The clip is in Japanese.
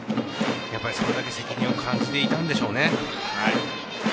それだけ責任を感じていたんでしょうね。